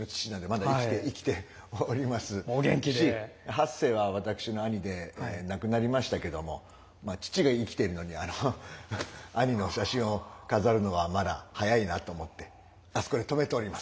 八世は私の兄で亡くなりましたけども父が生きてるのに兄の写真を飾るのはまだ早いなと思ってあそこで止めております。